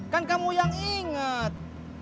kan kamu yang inget